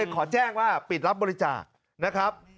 ขอแจ้งว่าปิดรับบริจาคนะครับ